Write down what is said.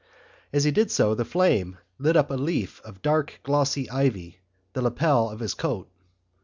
As he did so the flame lit up a leaf of dark glossy ivy in the lapel of his coat.